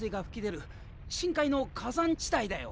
深海の火山地帯だよ。